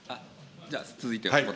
じゃあ、続いて。